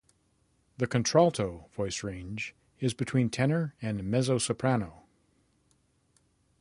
The contralto voice range is between tenor and mezzo-soprano.